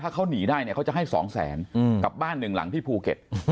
เขาจะให้สองแสนกลับบ้านหนึ่งหลังที่ภูเก็ต